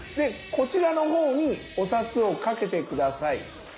こちらの方にお札をかけて下さい。